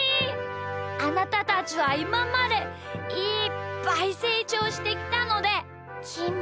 あなたたちはいままでいっぱいせいちょうしてきたのできん